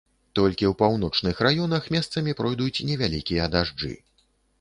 Толькі ў паўночных раёнах месцамі пройдуць невялікія дажджы.